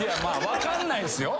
分かんないですよ。